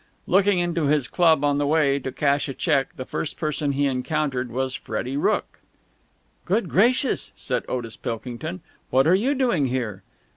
Looking into his club on the way, to cash a cheque, the first person he encountered was Freddie Rooke. "Good gracious!" said Otis Pilkington. "What are you doing here?"